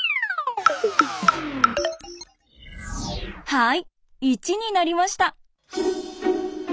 はい１になりました！